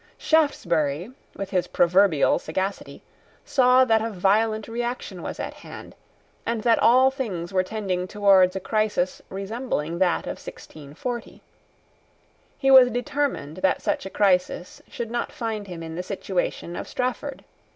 Shaftesbury, with his proverbial sagacity, saw that a violent reaction was at hand, and that all things were tending towards a crisis resembling that of 1640. He was determined that such a crisis should not find him in the situation of Strafford.